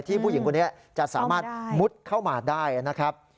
ผู้หญิงคนนี้จะสามารถมุดเข้ามาได้นะครับ